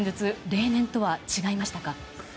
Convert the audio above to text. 例年とは違いましたか。